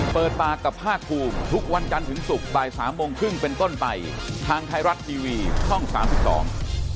เปิดปากกับภาคภูมิทุกวันจันทร์ถึงศุกร์บ่ายสามโมงครึ่งเป็นต้นไปทางไทยรัฐทีวีช่องสามสิบสอง